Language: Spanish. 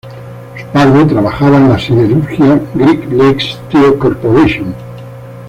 Su padre trabajaba en la siderúrgica Great Lakes Steel Corporation.